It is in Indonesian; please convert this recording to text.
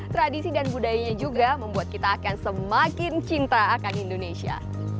tradisi dan budayanya juga membuat kita akan semakin cinta akan indonesia